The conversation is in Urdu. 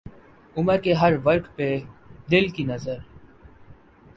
عمر کے ہر ورق پہ دل کی نظر